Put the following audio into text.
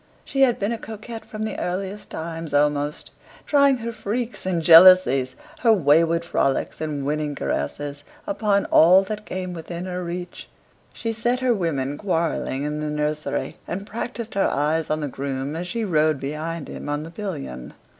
She had been a coquette from the earliest times almost, trying her freaks and jealousies, her wayward frolics and winning caresses, upon all that came within her reach; she set her women quarrelling in the nursery, and practised her eyes on the groom as she rode behind him on the pillion.